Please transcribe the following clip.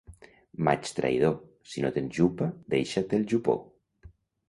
Maig traïdor, si no tens jupa, deixa't el jupó.